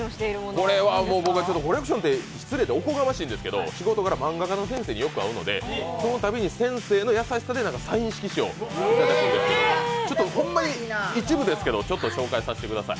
これはコレクションって失礼おこがましいんですけど仕事柄、漫画家の先生によく会うので、そのたびに先生の優しさでサイン色紙をいただくんですけど、ちょっとホンマに一部ですけど、ちょっと紹介させてください。